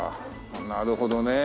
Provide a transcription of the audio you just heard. なるほどね。